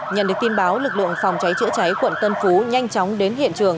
nhận được tin báo lực lượng phòng cháy chữa cháy quận tân phú nhanh chóng đến hiện trường